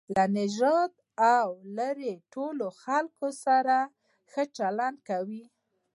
له نژدې او ليري ټولو خلکو سره ښه چلند کوئ!